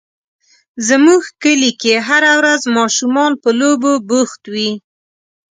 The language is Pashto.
زموږ کلي کې هره ورځ ماشومان په لوبو بوخت وي.